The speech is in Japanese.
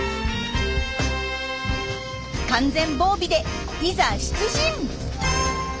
完全防備でいざ出陣！